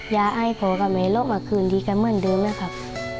อย่าให้ผมกลับใหม่โลกมาคืนดีกันเมื่อเดือนนะครับ